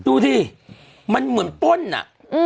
ดูสิมันเหมือนป้นอ่ะ